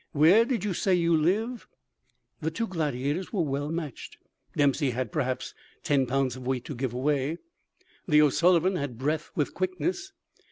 Where did you say you live?" The two gladiators were well matched. Dempsey had, perhaps, ten pounds of weight to give away. The O'Sullivan had breadth with quickness.